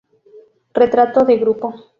Retrato de grupo".